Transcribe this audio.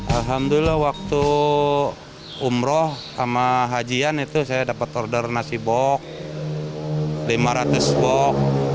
alhamdulillah waktu umroh sama hajian itu saya dapat order nasi bok lima ratus bok